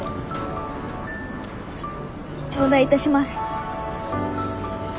頂戴いたします。